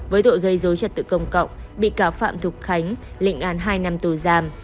với tội gây dối trật tự công cộng bị cáo phạm thục khánh lịnh án hai năm tù giam